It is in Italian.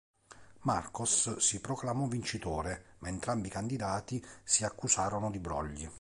Marcos si proclamò vincitore, ma entrambi i candidati si accusarono di brogli.